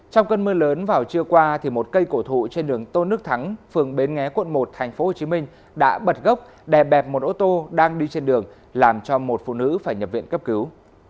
trong cơn mưa lớn vào trưa qua một cây cổ thụ trên đường tôn đức thắng phường bến nghé quận một tp hcm đã bật gốc đè bẹp một ô tô đang đi trên đường làm cho một phụ nữ phải nhập viện cấp cứu